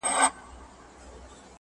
لکه د خالد حسيني د کاغذباد الوځونکي